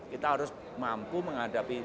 kita harus mampu menghadapkan